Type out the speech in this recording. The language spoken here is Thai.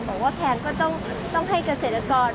บอกว่าแพงก็ต้องให้เกษตรกร